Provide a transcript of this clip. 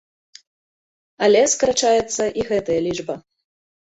Але скарачаецца і гэтая лічба.